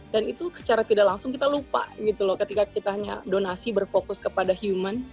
dan itu secara tidak langsung kita lupa gitu loh ketika kita hanya donasi berfokus kepada human